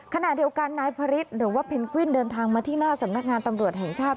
ขณะเดียวกันนายพระฤทธิ์หรือว่าเพนกวินเดินทางมาที่หน้าสำนักงานตำรวจแห่งชาติ